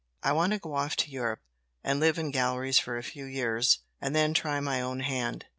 "I want to go off to Europe and live in galleries for a few years, and then try my own hand."